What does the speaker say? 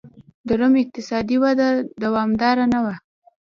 د روم اقتصادي وده دوامداره نه وه.